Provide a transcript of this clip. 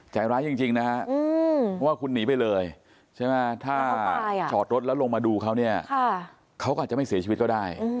ใจร้ายจริงนะฮะเพราะว่าคุณหนีไปเลยใช่ไหมถ้าจอดรถแล้วลงมาดูเขาเนี่ยเขาก็อาจจะไม่เสียชีวิตก็ได้